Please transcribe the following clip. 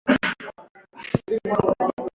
Tembea karibu nami nikuone vizuri